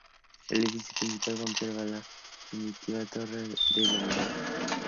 El edificio principal conserva la primitiva Torre del Homenaje.